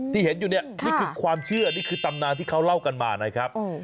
ที่เห็นอยู่เนี่ยนี่คือความเชื่อนี่คือตำนานที่เขาเล่ากันมานะครับ